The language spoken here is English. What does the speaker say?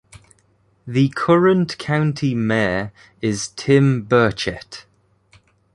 The current county mayor is Tim Burchett.